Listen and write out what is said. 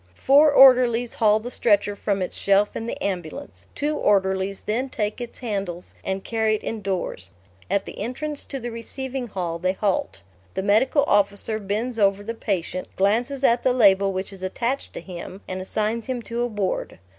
Four orderlies haul the stretcher from its shelf in the ambulance; two orderlies then take its handles and carry it indoors. At the entrance to the receiving hall they halt. The Medical Officer bends over the patient, glances at the label which is attached to him, and assigns him to a ward.